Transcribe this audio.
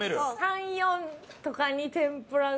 ３４とかに天ぷらが。